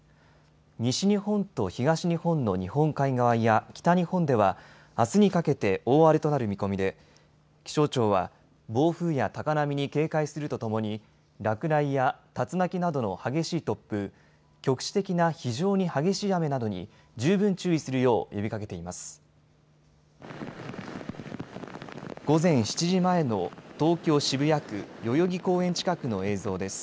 西日本と東日本の日本海側や北日本ではあすにかけて大荒れとなる見込みで気象庁は暴風や高波に警戒するとともに落雷や竜巻などの激しい突風、局地的な非常に激しい雨などに十分注意するよう呼びかけています。